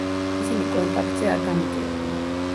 ისინი კონტაქტზე არ გამოდიოდნენ.